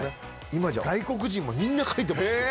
今じゃ、外国人もみんな書いてますよ。